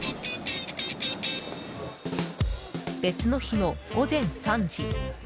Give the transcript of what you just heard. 別の日の午前３時。